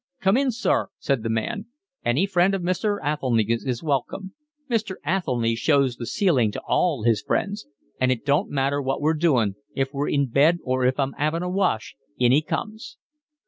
"Come in, sir," said the man. "Any friend of Mr. Athelny's is welcome. Mr. Athelny shows the ceiling to all his friends. And it don't matter what we're doing, if we're in bed or if I'm 'aving a wash, in 'e comes."